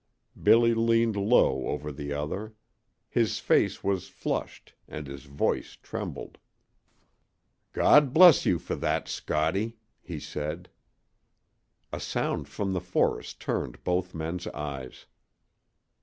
Billy leaned low over the other. His face was flushed, and his voice trembled. "God bless you for that, Scottie!" he said. A sound from the forest turned both men's eyes.